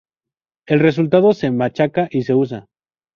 El resultado se machaca y se usa.